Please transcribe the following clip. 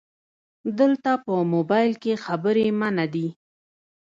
📵 دلته په مبایل کې خبري منع دي